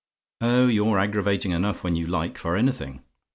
Oh, you're aggravating enough, when you like, for anything!